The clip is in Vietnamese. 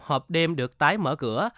hộp đêm được tái mở cửa